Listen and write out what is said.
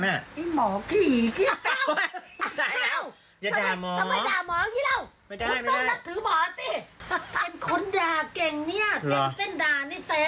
เป็นคนด่ากเก่งเนี่ย